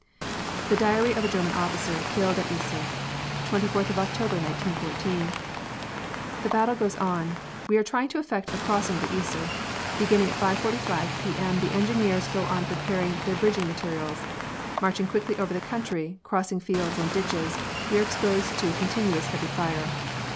The diary of a German officer, killed at the Yser: Twenty fourth of October, 1914: "The battle goes on we are trying to effect a crossing of the Yser. Beginning at 5:45 P.M. the engineers go on preparing their bridging materials. Marching quickly over the country, crossing fields and ditches, we are exposed to continuous heavy fire.